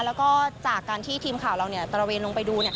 แล้วก็จากการที่ทีมข่าวเราตระเวนลงไปดู